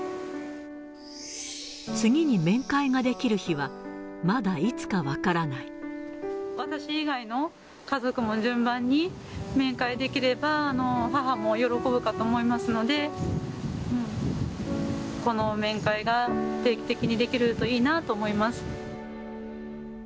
次に面会ができる日はまだい私以外の家族も順番に面会できれば、母も喜ぶかと思いますので、この面会が定期的にできるといいなと思います。